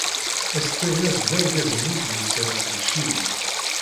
Estévez d argaz-nni i d-yusan seg Cili.